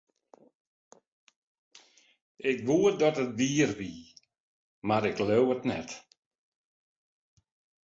Ik woe dat it wier wie, mar ik leau it net.